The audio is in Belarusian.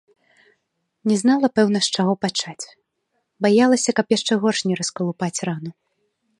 Не знала, пэўна, з чаго пачаць, баялася, каб яшчэ горш не раскалупаць рану.